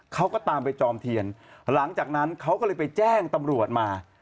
เขาก็ตามไปจอมเทียนหลังจากนั้นเขาก็เลยไปแจ้งตำรวจมา